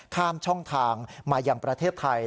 ข้ามช่องทางมายังประเทศไทย